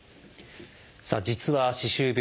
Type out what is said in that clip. さあ実は歯周病